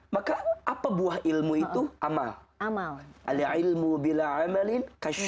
maka apa buah ilmu itu amal